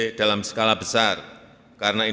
dan ini adalah ancaman yang nyata bagi kita semuanya